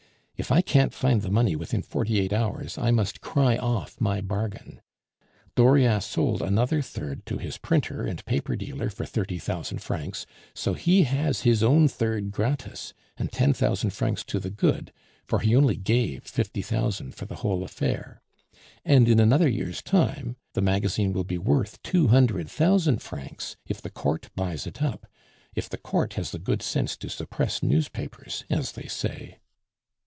If I can't find the money within forty eight hours, I must cry off my bargain. Dauriat sold another third to his printer and paper dealer for thirty thousand francs; so he has his own third gratis, and ten thousand francs to the good, for he only gave fifty thousand for the whole affair. And in another year's time the magazine will be worth two hundred thousand francs, if the Court buys it up; if the Court has the good sense to suppress newspapers, as they say."